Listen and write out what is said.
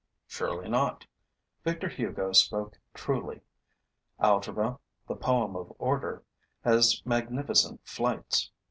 Surely not: Victor Hugo spoke truly. Algebra, the poem of order, has magnificent flights.